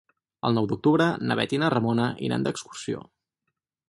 El nou d'octubre na Bet i na Ramona iran d'excursió.